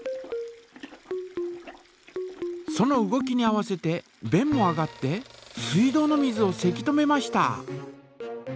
その動きに合わせてべんも上がって水道の水をせき止めました！